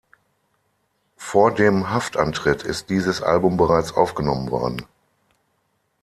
Vor dem Haftantritt ist dieses Album bereits aufgenommen worden.